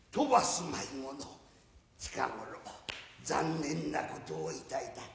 近頃残念なことをいたいた。